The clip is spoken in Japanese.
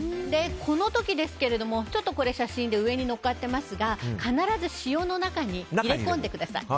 この時ですが写真では上に乗っかってますが必ず塩の中に入れ込んでください。